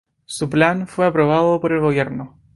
Su plan fue aprobado por el gobierno.